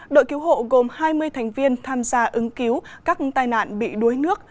đội cứu hộ gồm hai mươi thành viên tham gia ứng cứu các tai nạn bị đuối nước